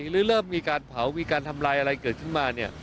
เริ่มมีการเผามีการทำลายอะไรเกิดขึ้นมาเนี่ย